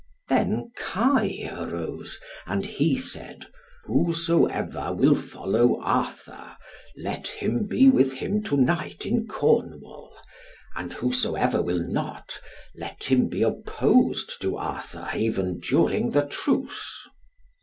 Then Kai arose, and he said, "Whosoever will follow Arthur, let him be with him to night in Cornwall, and whosoever will not, let him be opposed to Arthur even during the truce."